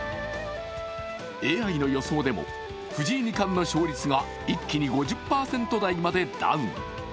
ＡＩの予想でも藤井二冠の勝率が一気に５０％台までダウン。